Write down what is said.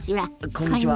こんにちは。